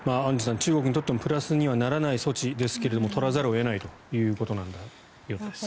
中国にとってもプラスにはならない措置ですが取らざるを得ないということのようですが。